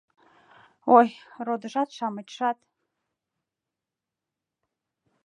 Ой, родыжат-шамычшат